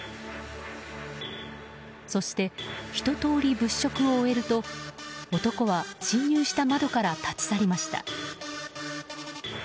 そして、ひと通り物色を終えると男は侵入した窓から立ち去りました。